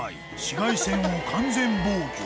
紫外線を完全防御